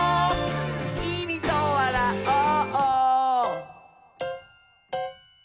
きみとわらおう！」